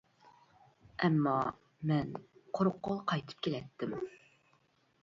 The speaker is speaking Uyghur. ئەمما, مەن قۇرۇق قول قايتىپ كېلەتتىم.